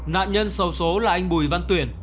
nạn nhân sâu số là anh bùi văn tuyển